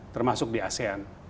termasuk di asean